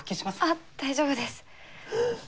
あっ大丈夫です。